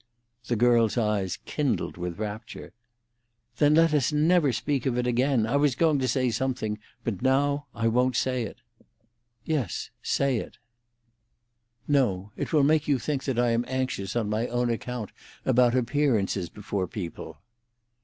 The girl's eyes kindled with rapture. "Then let us never speak of it again. I was going to say something, but now I won't say it." "Yes, say it." "No; it will make you think that I am anxious on my own account about appearances before people."